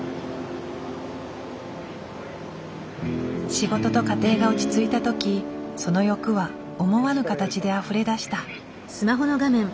仕事と家庭が落ち着いた時その欲は思わぬ形であふれ出した。